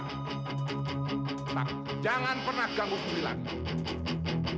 tetap jangan pernah ganggu juli lagi